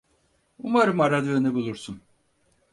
Umarım aradığını bulursun.